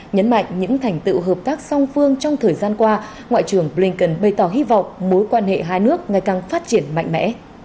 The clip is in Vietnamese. nhấn mạnh những thành tựu hợp tác song phương trong thời gian qua ngoại trưởng blinken bày tỏ hy vọng mối quan hệ hai nước ngày càng phát triển mạnh mẽ